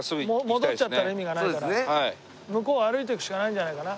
戻っちゃったら意味がないから向こう歩いていくしかないんじゃないかな？